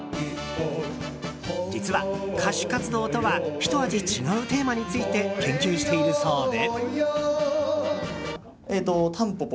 実は、歌手活動とはひと味違うテーマについて研究しているそうで。